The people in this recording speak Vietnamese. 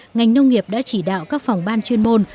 ngành nông nghiệp đã chỉ đạo các phòng ban chuyên môn